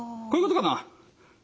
こういうことかな。